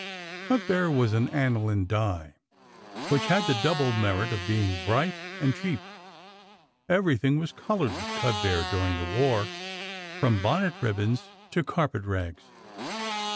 Cudbear was an aniline dye which had the double merit of being bright and cheap. Everything was colored with cudbear during the war, from bonnet ribbons to carpet rags.